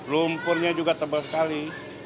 lumpurnya juga tebal sekali